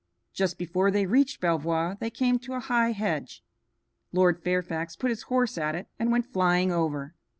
Just before they reached Belvoir they came to a high hedge. Lord Fairfax put his horse at it and went flying over.